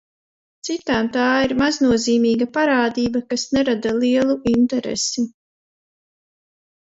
Citām tā ir maznozīmīga parādība, kas nerada lielu interesi.